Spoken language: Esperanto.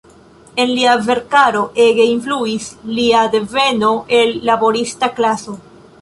En lia verkaro ege influis lia deveno el laborista klaso.